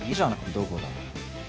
どこだ？